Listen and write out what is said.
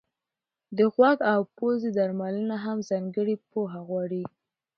د غوږ او پزې درملنه هم ځانګړې پوهه غواړي.